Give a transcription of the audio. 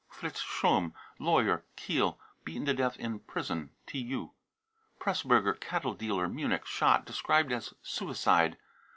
fritz schlumm, lawyer, Kiel, beaten to death in prison. (TU.) pressburger, cattle dealer, Munich, shot, described' as suicide.